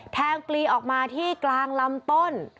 ปลีออกมาที่กลางลำต้น